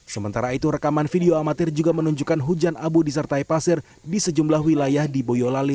sementara itu rekaman video amatir juga menunjukkan hujan abu disertai pasir di sejumlah wilayah di boyolali